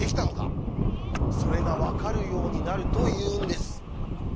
それが分かるようになるというんです。